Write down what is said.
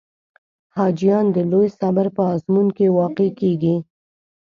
حاجیان د لوی صبر په آزمون کې واقع کېږي.